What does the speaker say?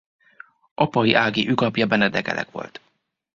Apai ági ükapja Benedek Elek volt.